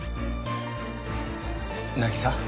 凪沙。